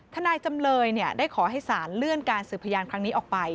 จำเลยได้ขอให้สารเลื่อนการสืบพยานครั้งนี้ออกไป